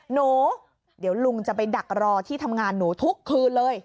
หนูเดี๋ยวลุงจะไปดักรอที่ทำงานหนูทุกคืนเลย